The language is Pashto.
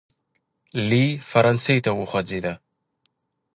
لی فرانسې ته وخوځېد.